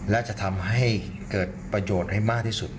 และจะทำให้เกิดประโยชน์ให้มากที่สุด